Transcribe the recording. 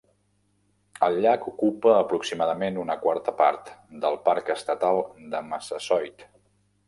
El llac ocupa aproximadament una quarta part del Parc Estatal de Massasoit.